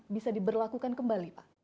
bisa diberlakukan kembali pak